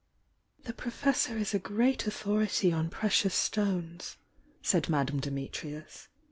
"The Professor is a great authority on precious stones, said Madame Dimitrius.